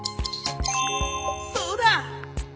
そうだ！